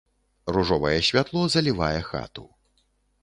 Ружовае святло залівае хату.